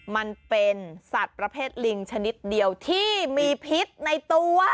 มันเป็นสัตว์ประเภทลิงชนิดเดียวที่มีพิษในตัว